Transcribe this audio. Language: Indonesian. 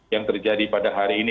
yang terjadi pada hari ini